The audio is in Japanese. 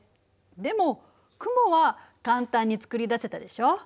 でも雲は簡単につくりだせたでしょ。